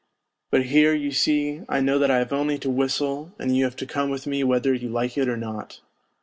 But here, you I know that I have only to whistle and you have to come with me whether you like it or not.